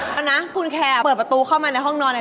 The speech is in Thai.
แล้วนั้นคุณแครอทเปิดประตูเข้ามาในห้องนอน